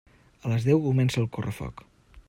A les deu comença el correfoc.